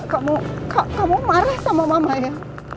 kamu kamu marah sama mama ya